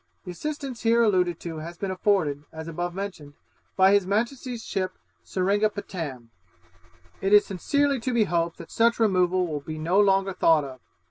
The assistance here alluded to has been afforded, as above mentioned, by his Majesty's ship Seringapatam. It is sincerely to be hoped that such removal will be no longer thought of.